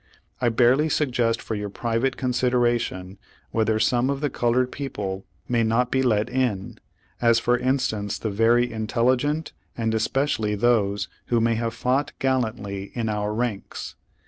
I barely sug gest for your private consideration whether some of the colored people may not be let in, as for instance the very intelligent and especially those who may have fought gal lantly in our ranks.